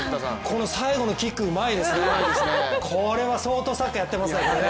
この最後のキックうまいですね、これは、相当サッカーやってましたね。